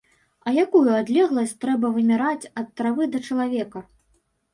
А якую адлегласць трэба вымераць ад травы да чалавека?!